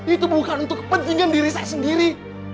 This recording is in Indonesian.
itu bukan untuk kepentingan diri saya sendiri